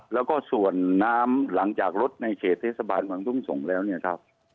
และก็ส่วนน้ำหลังจากลดในเขตเทศสะบานกว่างตุ้งสงฯแล้วเนี่ยครับ